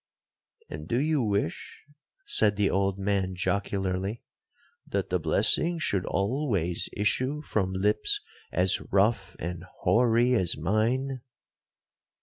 '—'And do you wish,' said the old man jocularly, 'that the blessing should always issue from lips as rough and hoary as mine?'